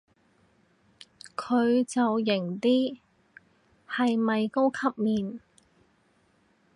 佢就型啲，係咩高級面